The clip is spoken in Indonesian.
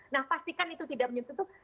nah pastikan itu tidak menyentuh